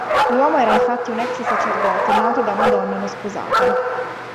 L'uomo era infatti un ex sacerdote nato da una donna non sposata.